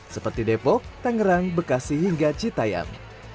seperti depok tangerang bekasi hingga citayam